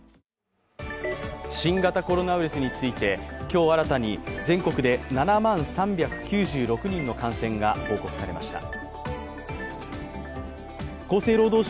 新型コロナウイルスについて、今日新たに全国で７万３９６人の感染が報告されました。